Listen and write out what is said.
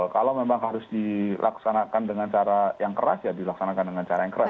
kalau memang harus dilaksanakan dengan cara yang keras ya dilaksanakan dengan cara yang keras